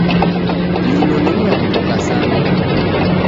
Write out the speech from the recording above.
Linu ni mramko kasanu.